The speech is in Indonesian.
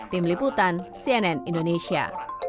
tim liputan cnn indonesia